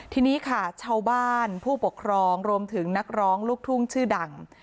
ทีนี้ค่ะชาวบ้านผู้ปกครองรวมถึงนักร้องลูกทุ่งชื่อดัง